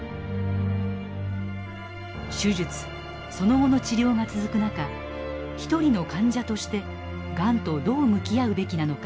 手術その後の治療が続く中一人の患者としてがんとどう向き合うべきなのか。